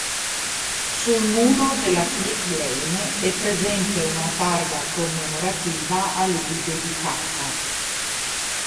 Sul muro della pit-lane è presente una targa commemorativa a lui dedicata.